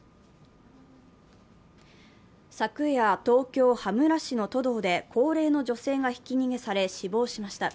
昨夜、東京・羽村市の都道で高齢の女性がひき逃げされ死亡しました。